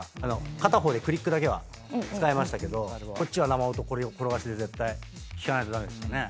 片方でクリックだけは使いましたけどこっちは生音転がしで絶対聞かないと駄目でしたね。